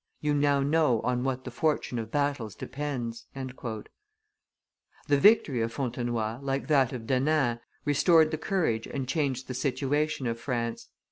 You now know on what the fortune of battles depends." The victory of Fontenoy, like that of Denain, restored the courage and changed the situation of France.